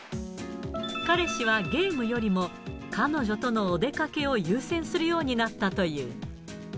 彼氏はゲームよりも彼女とのお出かけを優先するようになったという。